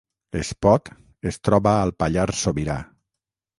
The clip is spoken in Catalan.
Espot es troba al Pallars Sobirà